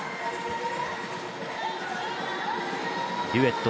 デュエット